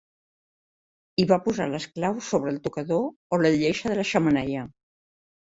I va posar les claus sobre el tocador o la lleixa de la xemeneia.